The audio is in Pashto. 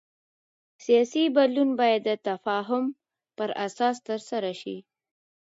سیاسي بدلون باید د تفاهم پر اساس ترسره شي